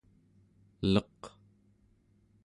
leq